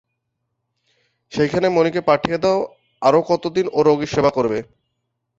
সেইখানে মণিকে পাঠিয়ে দাও, আরো কতদিন ও রোগীর সেবা করবে।